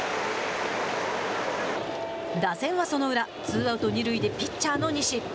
打線はその裏ツーアウト、二塁でピッチャーの西。